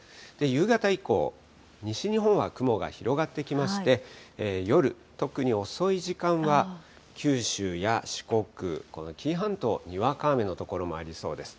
夕方以降、西日本は雲が広がってきまして、夜、特に遅い時間は九州や四国、この紀伊半島、にわか雨の所もありそうです。